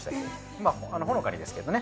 まぁほのかにですけどね。